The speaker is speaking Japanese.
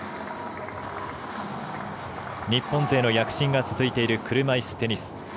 日本勢の躍進が続いている車いすテニス。